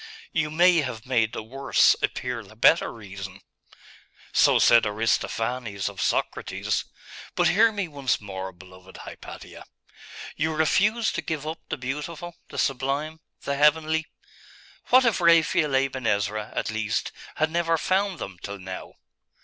'You may have made the worse appear the better reason.' 'So said Aristophanes of Socrates. But hear me once more, beloved Hypatia. You refuse to give up the beautiful, the sublime, the heavenly? What if Raphael Aben Ezra, at least, had never found them till now?